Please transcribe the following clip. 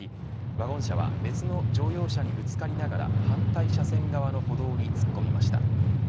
弾みで自転車は乗用車にぶつかりワゴン車は別の乗用車にぶつかりながら反対車線側の歩道に突っ込みました。